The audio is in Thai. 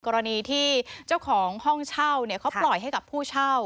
กรณีที่เจ้าของห้องเช่าเขาปล่อยให้กับผู้เช่า